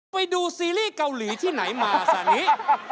ไปดูซีรีส์เกาหลีที่ไหนมาขนาดนี้